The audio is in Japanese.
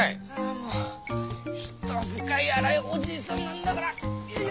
もう人使い荒いおじいさんなんだから。よ。